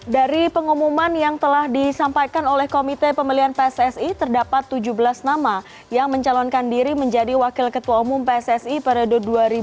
dari pengumuman yang telah disampaikan oleh komite pemilihan pssi terdapat tujuh belas nama yang mencalonkan diri menjadi wakil ketua umum pssi periode dua ribu dua puluh